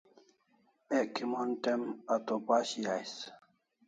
Ek kimon te'm a to pashi ais